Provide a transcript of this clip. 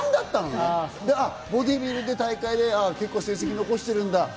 だからボディビルの大会で結構、成績残してるんだ。